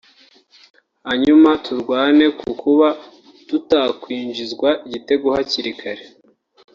hanyuma turwane ku kuba tutakwinjinzwa igitego hakiri kare